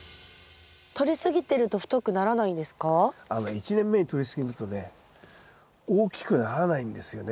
１年目にとりすぎるとね大きくならないんですよね